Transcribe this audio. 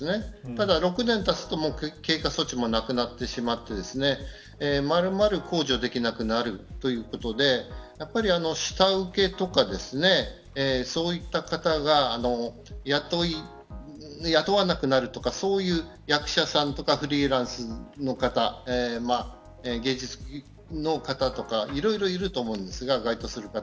ただ６年たつと経過措置もなくなってしまってまるまる控除できなくなるということでやっぱり下請けとかそういった方が雇わなくなるとか役者さんとかフリーランスの方芸術の方とかいろいろいると思うんですが該当する方